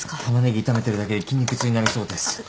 タマネギ炒めてるだけで筋肉痛になりそうです。